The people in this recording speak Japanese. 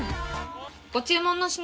ご注文の品